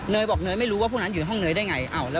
บอกเนยไม่รู้ว่าพวกนั้นอยู่ห้องเนยได้ไง